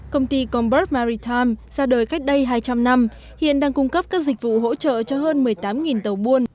công ty convert maritime ra đời cách đây hai trăm linh năm hiện đang cung cấp các dịch vụ hỗ trợ cho hơn một mươi tám tàu buôn